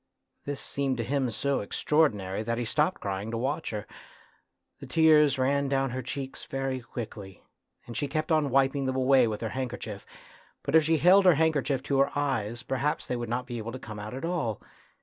This seemed to him so extra ordinary that he stopped crying to watch her ; the tears ran down her cheeks very quickly, and she kept on wiping them away with her handkerchief, but if she held her handkerchief to her eyes perhaps they would not be able to come out at all.